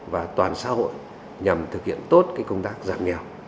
và toàn xã hội nhằm thực hiện tốt công tác giảm nghèo